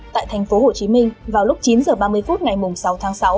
tại thành phố hồ chí minh vào lúc chín h ba mươi phút ngày sáu tháng sáu